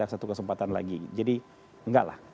masih ada satu kesempatan lagi jadi enggak lah